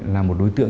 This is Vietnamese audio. là một đối tượng